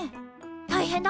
大変だ！